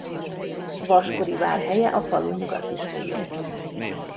Vaskori vár helye a falu nyugati szélén.